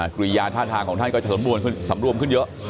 กรุยาณฐาถาของท่านจะสำรวมขึ้นเยอะ